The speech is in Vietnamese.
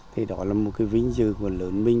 thì đó là một cái vinh dự và lớn mình